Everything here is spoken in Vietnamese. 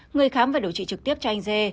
người khám và điều trị trực tiếp cho anh dê